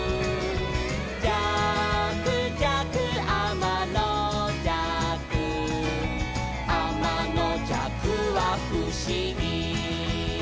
「じゃくじゃくあまのじゃく」「あまのじゃくはふしぎ」